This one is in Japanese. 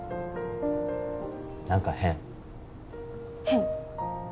何か変変？